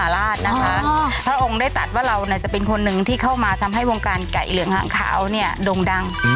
แล้วทำไมพี่แอมถึงอยากได้ไก่ตัวนี้ค่ะ